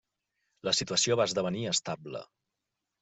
La situació va esdevenir estable.